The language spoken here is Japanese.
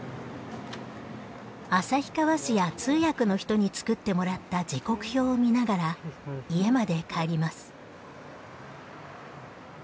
旭川市や通訳の人に作ってもらった時刻表を見ながら家まで帰ります。